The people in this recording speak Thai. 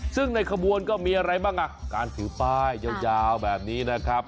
ซึ่งในขบวนก็มีอะไรบ้างอ่ะการถือป้ายยาวแบบนี้นะครับ